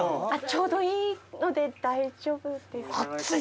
ちょうどいいので大丈夫です。